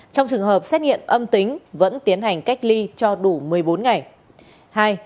trong trường hợp xét nghiệm âm tính vẫn tiến hành cách ly cho đủ một mươi bốn ngày